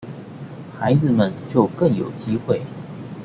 孩子們就更有機會